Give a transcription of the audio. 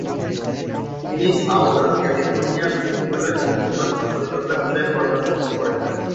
তিনি Southern California বিশ্ববিদ্যালয়ে সম্প্রচার সাংবাদিকতা বিষয়ে পড়াশুনা করেন।